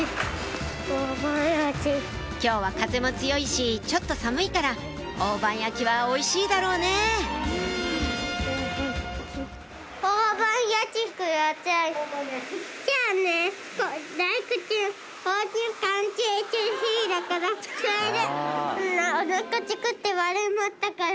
今日は風も強いしちょっと寒いから大判焼きはおいしいだろうねぇ大判焼き？それで。